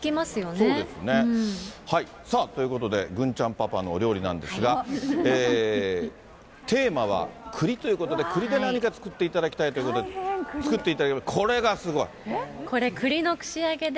そうですよね、さあ、ということで、ぐんちゃんパパのお料理なんですが、テーマは、クリということで、栗で何か作っていただきたいということで、作っていただいた、これ、クリの串揚げで。